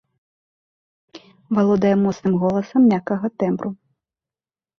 Валодае моцным голасам мяккага тэмбру.